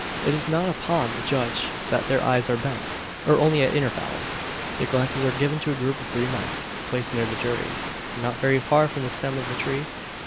It is not upon the judge that their eyes are bent, or only at intervals. The glances are given to a group of three men, placed near the jury, and not very far from the stem of the tree.